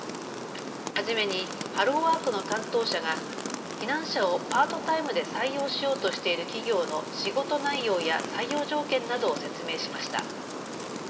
初めにハローワークの担当者が避難者をパートタイムで採用しようとしている企業の仕事内容や採用条件などを説明しました。